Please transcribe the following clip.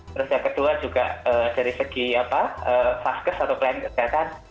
terus yang kedua juga dari segi faskus atau plan kerjaan